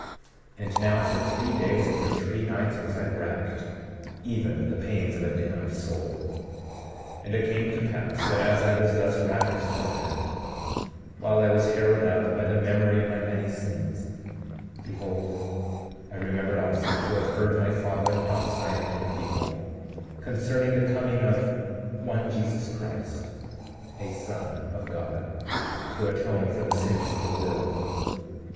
36:16 And now, for three days and for three nights was I racked, even with the pains of a damned soul. 36:17 And it came to pass that as I was thus racked with torment, while I was harrowed up by the memory of my many sins, behold, I remembered also to have heard my father prophesy unto the people concerning the coming of one Jesus Christ, a Son of God, to atone for the sins of the world.